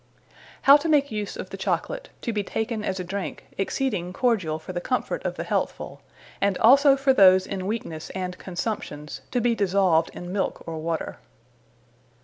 _ How to make use of the Chocolate, to be taken as a drinke, exceeding cordiall for the comfort of the healthfull, and also for those in weaknesse and Consumptions, to be dissolved in Milke or Water.